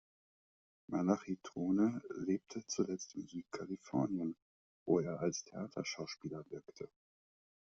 Malachi Throne lebte zuletzt in Südkalifornien, wo er als Theaterschauspieler wirkte.